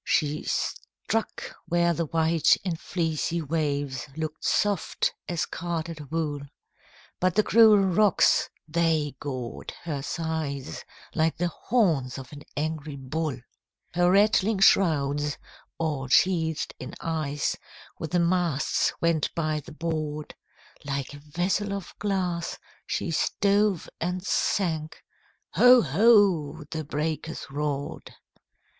She struck where the white and fleecy waves Look'd soft as carded wool, But the cruel rocks, they gored her sides Like the horns of an angry bull. Her rattling shrouds, all sheathed in ice, With the masts went by the board; Like a vessel of glass, she stove and sank, Ho! ho! the breakers roared!